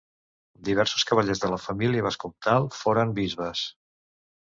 Diversos cavallers de la família vescomtal foren bisbes.